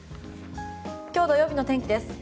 今日、土曜日の天気です。